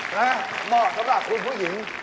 มาที่สามารถกับคุณผู้หญิง